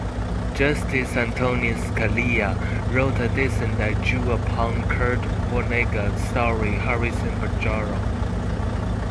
Justice Antonin Scalia wrote a dissent that drew upon Kurt Vonnegut's story Harrison Bergeron.